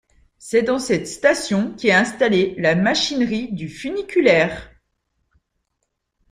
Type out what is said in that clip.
C'est dans cette station qu'est installé la machinerie du funiculaire.